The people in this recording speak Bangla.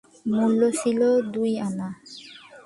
মূল্য ছিল দুই আনা।